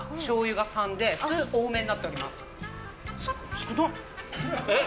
少なっ。